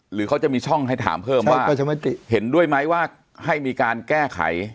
หรือเขาจะมีช่องให้ถามเพิ่มว่าเห็นด้วยไหมว่าให้มีการแก้ไข